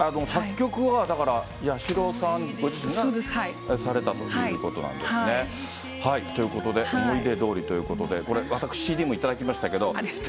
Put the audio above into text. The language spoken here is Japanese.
だから八代さんご自身がされたということなんですね。ということで、想い出通りということで、これ、私、ＣＤも頂きましたけど。